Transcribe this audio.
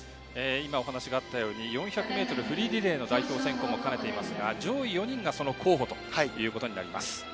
今お話があったように４００ｍフリーリレーの代表選考も兼ねていますが上位４人が候補となります。